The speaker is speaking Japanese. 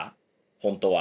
本当は。